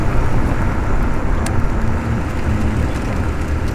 وَأَعْقَلَ مِنْ أَنْ يُخْدَعَ